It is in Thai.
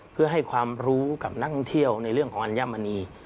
เพื่อให้ความรู้กับนักก่อนที่เที่ยวของการยามนี